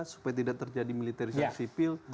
supaya tidak terjadi militerisasi sipil